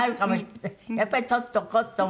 やっぱり取っておこうって思う。